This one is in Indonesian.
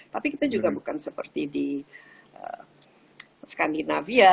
tapi kita juga bukan seperti di skandinavia